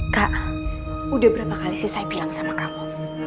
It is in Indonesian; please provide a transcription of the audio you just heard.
kak udah berapa kali sih saya bilang sama kamu